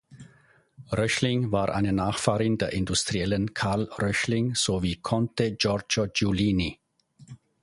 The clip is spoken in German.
Röchling, war eine Nachfahrin der Industriellen Carl Röchling sowie Conte Giorgio Giulini.